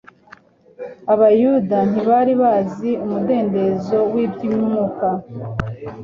Abayuda ntibari bazi umudendezo w'iby'umwuka,